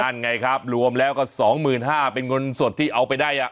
นั่นไงครับรวมแล้วก็สองหมื่นห้าเป็นคนสดที่เอาไปได้อ่ะ